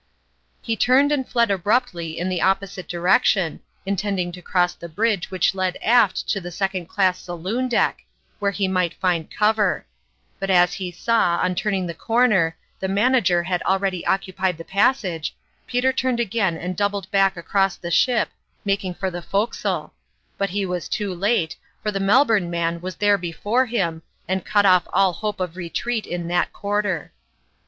0mjj0ttnb Interest. 181 lie turned and fled abruptly in the opposite direction, intending to cross the bridge which led aft to the second class saloon deck, where he might find cover ; but as he saw, on turning the corner, the Manager had already occupied the passage, Peter turned again and doubled back across the ship, making for the forecastle ; but he was too late, for the Melbourne man was there before him, and cut oH all hope of retreat in that quarter.